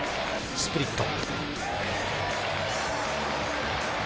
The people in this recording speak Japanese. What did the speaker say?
スプリット。